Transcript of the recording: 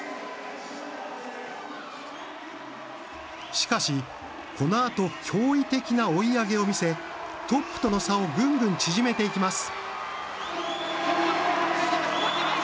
しかし、このあと驚異的な追い上げを見せトップとの差をぐんぐん縮めていきます。